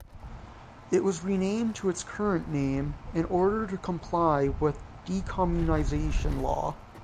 It was renamed to its current name in order to comply with decommunization law.